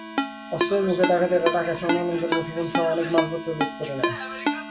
অস্ত্রের মুখে ডাকাতেরা টাকা, স্বর্ণালংকার, মুঠোফোনসহ অনেক মালপত্র লুট করে নেয়।